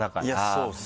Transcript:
そうですね。